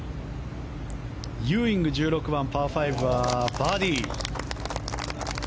ユーイング１６番、パー５はバーディー。